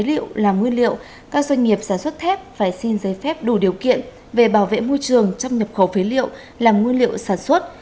nhiên liệu làm nguyên liệu các doanh nghiệp sản xuất thép phải xin giấy phép đủ điều kiện về bảo vệ môi trường trong nhập khẩu phế liệu làm nguyên liệu sản xuất